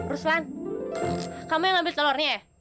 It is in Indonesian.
ruslan kamu yang ambil telornya ya